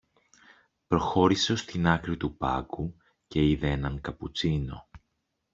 Προχώρησε ως την άκρη του πάγκου και είδε έναν καπουτσίνο